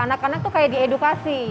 anak anak tuh kayak di edukasi